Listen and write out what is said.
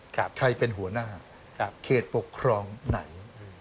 ใครเป็นหัวหน้าจากเขตปกครองไหน